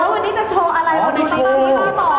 เขาเลยค่อนข้างที่จะได้อิสระ